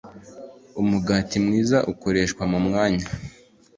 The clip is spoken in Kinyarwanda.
Umugati mwiza ukoreshwa mu mwanya